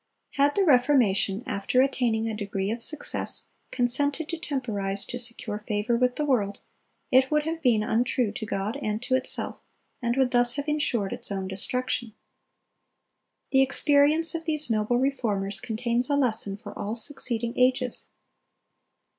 (298) Had the Reformation, after attaining a degree of success, consented to temporize to secure favor with the world, it would have been untrue to God and to itself, and would thus have insured its own destruction. The experience of these noble Reformers contains a lesson for all succeeding ages.